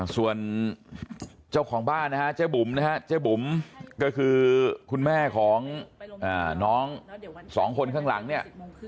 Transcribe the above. ส่วนเจ้าของบ้านนะฮะเจ๊บุ๋มนะฮะเจ๊บุ๋มก็คือคุณแม่ของน้องสองคนข้างหลังเนี่ย